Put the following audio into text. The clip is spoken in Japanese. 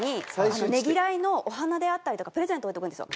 ねぎらいのお花であったりとかプレゼントを置いておくんですよ。